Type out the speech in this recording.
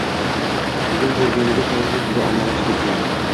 Tekin bo’lganligi sababli juda ommalashib ketgan